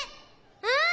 うん！